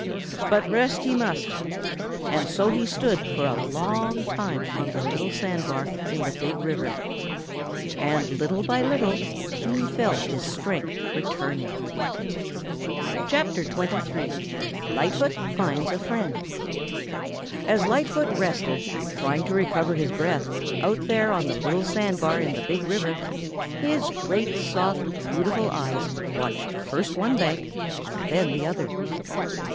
But rest he must, and so he stood for a long time on the little sand bar in the Big River. And little by little he felt his strength returning. CHAPTER XXIII LIGHTFOOT FINDS A FRIEND As Lightfoot rested, trying to recover his breath, out there on the little sand bar in the Big River, his great, soft, beautiful eyes watched first one bank and then the other.